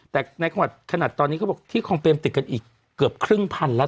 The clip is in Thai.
แต่ในขณะตอนนี้เขาบอกที่คองเปรมติดกันอีกเกือบครึ่งพันแล้ว